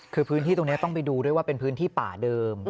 คือพื้นที่ตรงนี้ต้องไปดูด้วยว่าเป็นพื้นที่ป่าเดิม